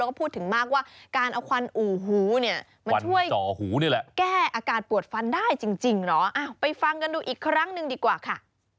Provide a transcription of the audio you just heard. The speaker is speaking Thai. เราก็พูดถึงมากว่าการเอาควันอู่หูมันช่วยแก้อากาศปวดฟันได้จริงหรอไปฟังกันดูอีกครั้งนึงดีกว่าค่ะ